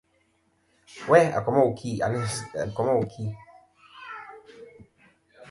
Ndu kasi lem achɨ keyn alè' ghè a và li lì ateyn.